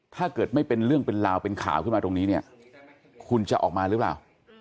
ถ้าเกิดไม่เป็นเรื่องเป็นราวเป็นข่าวขึ้นมาตรงนี้เนี่ยคุณจะออกมาหรือเปล่า